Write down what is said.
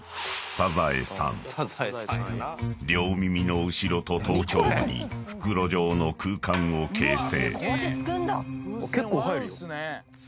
［両耳の後ろと頭頂部に袋状の空間を形成］